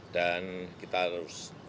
dan kita harus